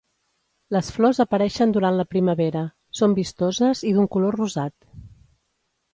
Les flors apareixen durant la primavera, són vistoses i d’un color rosat.